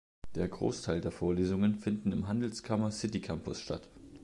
Der Großteil der Vorlesungen finden im Handelskammer City Campus statt.